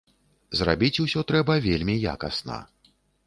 Зрабіць усё трэба вельмі якасна.